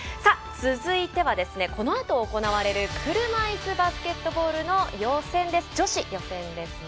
続いてはこのあと行われる車いすバスケットボールの女子予選です。